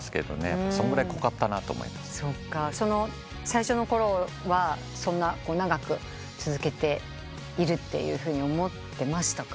最初のころはそんな長く続けているって思ってましたか？